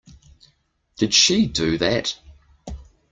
Did she do that?